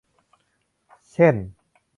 เช่น